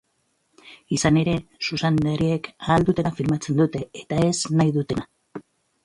Izan ere, zuzendariek ahal dutena filmatzen dute eta ez nahi dutena.